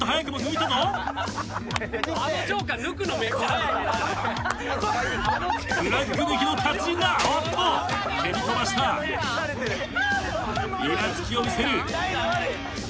いらつきを見せる。